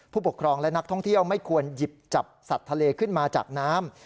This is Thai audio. ผู้ปกครองและนักท่องเที่ยวไม่ควรหยิบจับสัตว์ทะเลขึ้นมาจากน้ำ